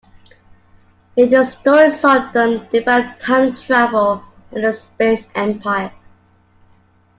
Later stories saw them develop time travel and a space empire.